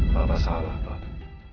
tidak masalah papa